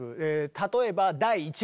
例えば「第１番」